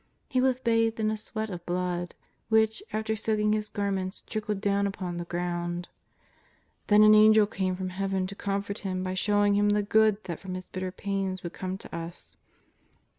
He was bathed in a sweat of blood, which, after soaking His garments, trickled do^vn upon the ground. Then an Angel came from Heaven to comfort Him by showing Him the good that from His bitter pains would come to us.